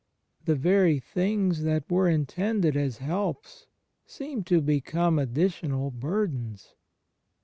The very things that were intended as helps, seem to become additional burdens.